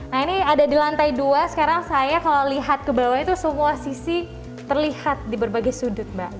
nah ini ada di lantai dua sekarang saya kalau lihat ke bawah itu semua sisi terlihat di berbagai sudut mbak